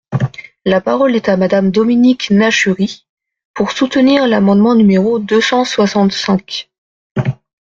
La parole est à Madame Dominique Nachury, pour soutenir l’amendement numéro deux cent soixante-cinq.